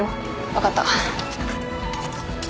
分かった。